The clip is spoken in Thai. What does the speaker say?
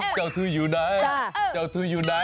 ครับ